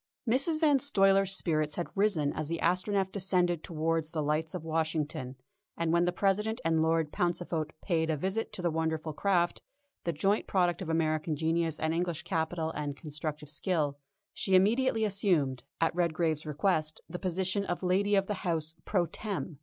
Mrs. Van Stuyler's spirits had risen as the Astronef descended towards the lights of Washington, and when the President and Lord Pauncefote paid a visit to the wonderful craft, the joint product of American genius and English capital and constructive skill, she immediately assumed, at Redgrave's request, the position of lady of the house _pro tem.